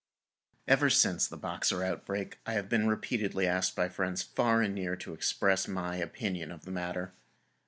Ever since the Boxer outbreak, I have been repeatedly asked by friends far and near to express my opinion of the matter.